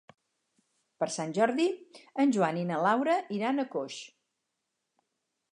Per Sant Jordi en Joan i na Laura iran a Coix.